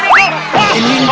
jatuh jatuh jatuh jatuh